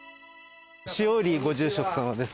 塩入ご住職様です。